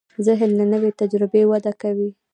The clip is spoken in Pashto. ذهن له نوې تجربې وده کوي.